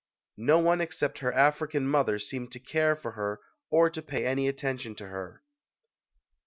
No one except her African mother seemed to care for her or to pay any attention to her.